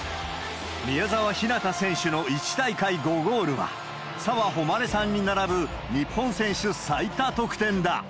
宮澤ひなた選手の１大会５ゴールは、澤穂希さんに並ぶ、日本選手最多得点だ。